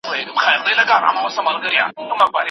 هغه مهال موږ د تحقیق لارې لټولې.